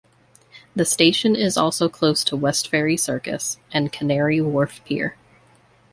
The station is also close to Westferry Circus and Canary Wharf Pier.